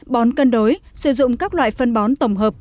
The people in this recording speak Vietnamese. bón cân đối sử dụng các loại phân bón tổng hợp